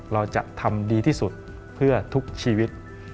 เราจะทำดีที่สุดเพื่อทุกชีวิต